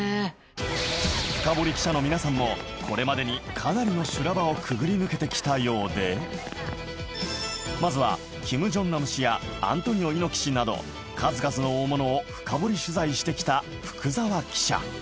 フカボリ記者の皆さんもこれまでにかなりの修羅場をくぐり抜けて来たようでまずは金正男やアントニオ猪木など数々の大物をフカボリ取材して来た福澤記者